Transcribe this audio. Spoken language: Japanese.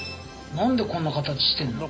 なんでこんな形してるの？